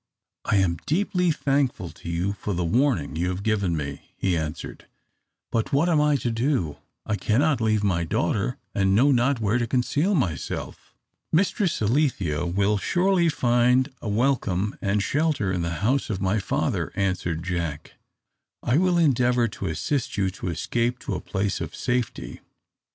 "I am deeply thankful to you for the warning you have given me," he answered. "But what am I to do? I cannot leave my daughter, and know not where to conceal myself." "Mistress Alethea will surely find a welcome and shelter in the house of my father," answered Jack. "I will endeavour to assist you to escape to a place of safety.